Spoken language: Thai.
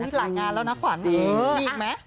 อุ้ยหลายงานแล้วนะความจริงอีกมั้ย